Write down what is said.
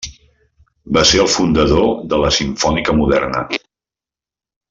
Va ser el fundador de la simfònica moderna.